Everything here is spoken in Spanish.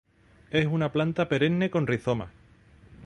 Es una planta perenne con rizomas.